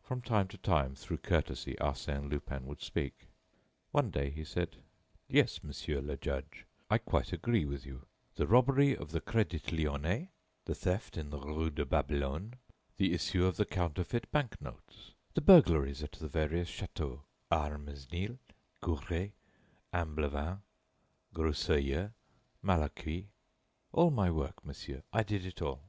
From time to time, through courtesy, Arsène Lupin would speak. One day he said: "Yes, monsieur, le judge, I quite agree with you: the robbery of the Crédit Lyonnais, the theft in the rue de Babylone, the issue of the counterfeit bank notes, the burglaries at the various châteaux, Armesnil, Gouret, Imblevain, Groseillers, Malaquis, all my work, monsieur, I did it all."